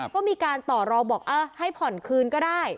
ก็มีการต่อรองบอกให้ผ่อนคืนก็ได้